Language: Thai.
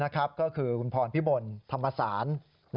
ก็คือคุณพรพิบลธรรมศาล